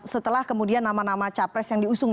setelah kemudian nama nama capres yang diusung